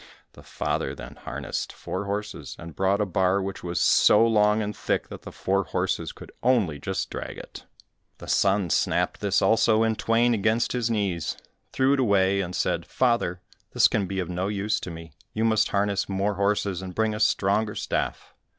The father then harnessed four horses, and brought a bar which was so long and thick, that the four horses could only just drag it. The son snapped this also in twain against his knees, threw it away, and said, "Father, this can be of no use to me, you must harness more horses, and bring a stronger staff."